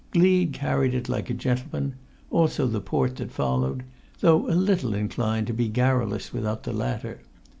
Gleed carried it like a gentleman, also the port that followed, though a little inclined to be garrulous about the latter.